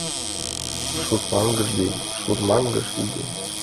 ШУРМАҤЫШ ДЕН ШУРМАҤЫШ ИГЕ